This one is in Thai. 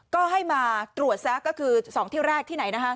ก็ให้มาตรวจซะก็คือ๒ที่แรกที่ไหนนะคะ